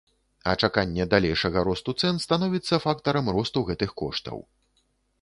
А чаканне далейшага росту цэн становіцца фактарам росту гэтых коштаў.